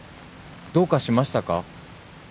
どうかしましたか？